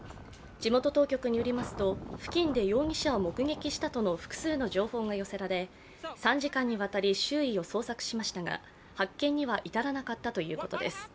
地元当局によりますと付近で容疑者を目撃したとの複数の情報が寄せられ、３時間にわたり周囲を捜索しましたが発見には至らなかったということです。